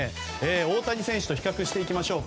大谷選手と比較していきましょう。